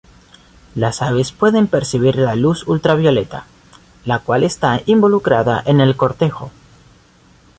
Las aves pueden percibir la luz ultravioleta, la cual está involucrada en el cortejo.